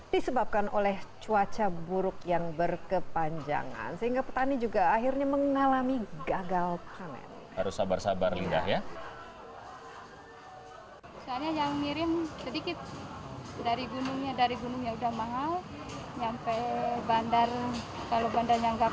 disebabkan oleh cuaca buruk yang berkepanjangan sehingga petani juga akhirnya mengalami gagal panen